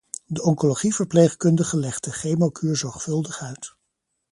De oncologieverpleegkundige legt de chemokuur zorgvuldig uit.